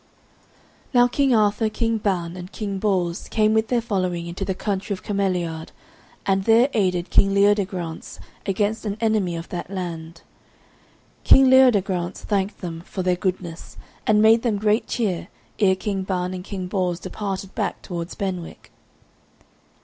Now King Arthur, King Ban, and King Bors came with their following into the country of Cameliard, and there aided King Leodegrance against an enemy of that land. King Leodegrance thanked them for their goodness, and made them great cheer ere King Ban and King Bors departed back towards Benwick.